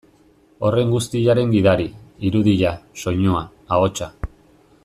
Horren guztiaren gidari, irudia, soinua, ahotsa.